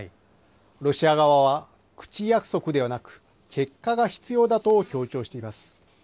ロシア側は口約束ではなく、結果が必要だと強調しています。